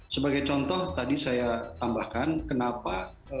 sebagai contoh tadi saya tambahkan kenapa